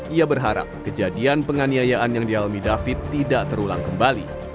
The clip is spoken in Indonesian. ia berharap kejadian penganiayaan yang dialami david tidak terulang kembali